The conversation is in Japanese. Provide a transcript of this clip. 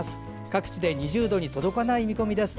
各地で２０度に届かない見込みです。